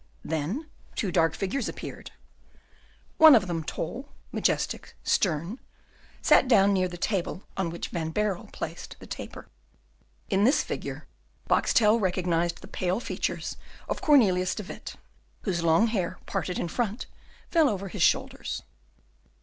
Then two dark figures appeared. One of them, tall, majestic, stern, sat down near the table on which Van Baerle had placed the taper. In this figure, Boxtel recognised the pale features of Cornelius de Witt, whose long hair, parted in front, fell over his shoulders.